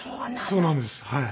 そうなんですはい。